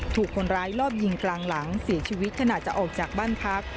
ถูกคนร้ายรอบยิงกลางหลังเสียชีวิตขณะจะออกจากบ้านพัก